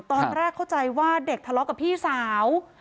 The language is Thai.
ตอนแรกเข้าใจว่าเด็กทะเลาะกับพี่สาว